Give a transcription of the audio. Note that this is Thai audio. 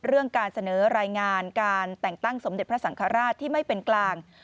เรื่องการเสนอรายงานการแต่งตั้งสมเด็จพระสังฆราชที่ไม่เป็นกลาง